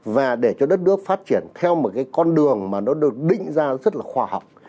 và để cho đất nước phát triển theo một cái con đường mà nó được định ra rất là khoa học